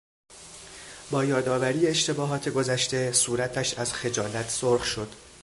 با یادآوری اشتباهات گذشته، صورتش از خجالت سرخ شد.